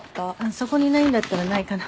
そこにないんだったらないかな。